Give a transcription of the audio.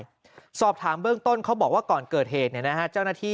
สอบถามเบื้องต้นเขาบอกว่าก่อนเกิดเหตุเนี่ยนะฮะเจ้าหน้าที่